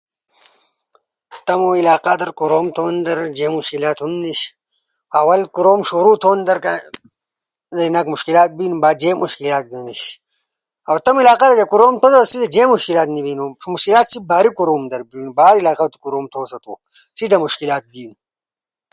تومو علاقہ در کوروم تھون درجو مشکلات ہُن نیش۔ اول کوروم شورو تھون در کہ مشکلات بین باجے مشکلات ایک دا نیِش۔ اؤ تومو علاقہ در کوروم سیدھا جے مشکلات نی بین۔ مشکلات بین باہر علاقہ در بیِن۔ باہر علاقہ در کوروم بین۔ سیدھا مشکلات بین۔